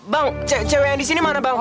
bang cewek yang disini mana bang